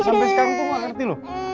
sampai sekarang aku gak ngerti loh